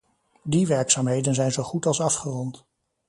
Die werkzaamheden zijn zo goed als afgerond.